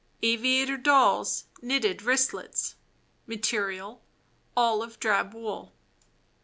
war. Aviator Doll's Knitted Wristlets Material: Olive drab wool.